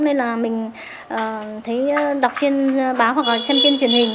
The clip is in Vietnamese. nên là mình thấy đọc trên báo hoặc là xem trên truyền hình